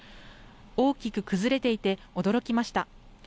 大きく崩れていて驚きました。